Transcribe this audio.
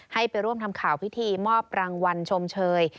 ไปร่วมทำข่าวพิธีมอบรางวัลชมเชย